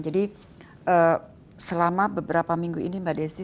jadi selama beberapa minggu ini mbak desy